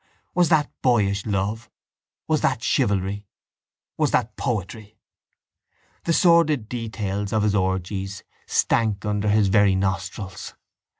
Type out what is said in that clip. Was that boyish love? Was that chivalry? Was that poetry? The sordid details of his orgies stank under his very nostrils.